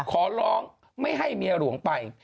ขอร้องไม่ให้เมียหลวงไป